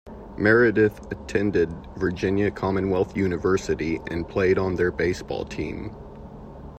Meredith attended Virginia Commonwealth University and played on their baseball team.